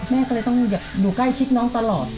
แม่ก็เลยต้องอยู่ใกล้ชิดน้องตลอด